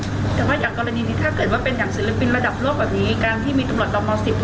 แต่ว่าอย่างกรณีนี้ถ้าเกิดว่าเป็นอย่างศิลปินระดับโลกแบบนี้การที่มีตำรวจต่อม๑๐